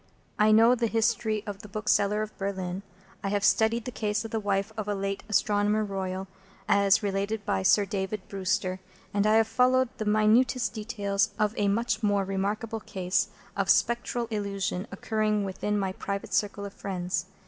I know the history of the Bookseller of Berlin, I have studied the case of the wife of a late Astronomer Royal as related by Sir David Brewster, and I have followed the minutest details of a much more remarkable case of Spectral Illusion occurring within my private circle of friends.